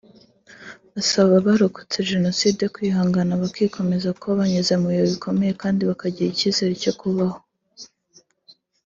Asaba abarokotse Jenoside kwihangana bakikomeza kuko banyuze mu bihe bikomeye kandi bakagira icyizere cyo kubaho